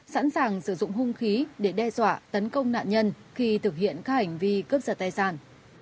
sẵn sàng sử dụng hung khí để đe dọa tấn công nạn nhân khi thực hiện các hành vi cướp giật tài sản